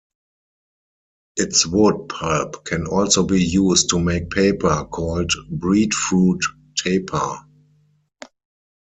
Its wood pulp can also be used to make paper, called breadfruit "tapa".